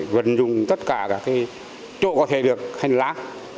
vẫn dùng tất cả cả cái chỗ có thể được hành lang